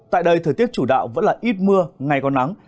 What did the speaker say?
tại đây thời tiết chủ đạo vẫn là ít mưa ngày còn nắng